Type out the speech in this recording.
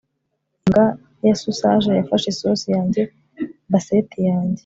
imbwa ya sausage yafashe isosi yanjye basset yanjye